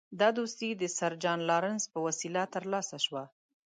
دا دوستي د سر جان لارنس په وسیله ترلاسه شوه.